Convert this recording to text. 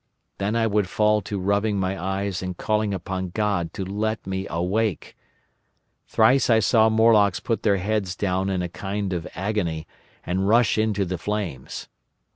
Then I would fall to rubbing my eyes and calling upon God to let me awake. Thrice I saw Morlocks put their heads down in a kind of agony and rush into the flames.